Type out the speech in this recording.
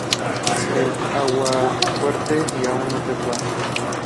El aguafuerte ¡Y aún no se van!